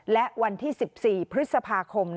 และวันที่๑๔พฤษภาคม